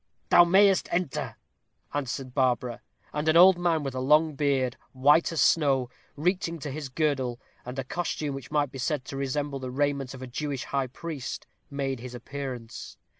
"Thou mayest enter," answered Barbara; and an old man with a long beard, white as snow, reaching to his girdle, and a costume which might be said to resemble the raiment of a Jewish high priest, made his appearance.